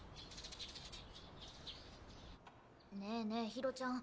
ねえねえひろちゃん